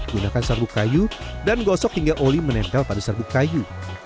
gunakan serbuk kayu dan gosok hingga oli menempel pada serbuk kayu